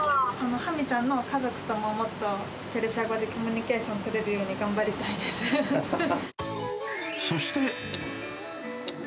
ハミちゃんの家族とも、もっとペルシャ語でコミュニケーション取そして。